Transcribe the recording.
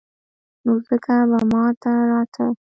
نو ځکه به ما ته راته.